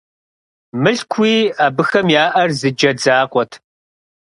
Мылъкууи абыхэм яӀэр зы джэд закъуэт.